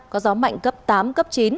có gió mạnh cấp tám cấp chín